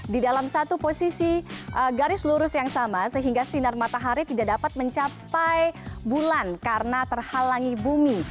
di dalam satu posisi garis lurus yang sama sehingga sinar matahari tidak dapat mencapai bulan karena terhalangi bumi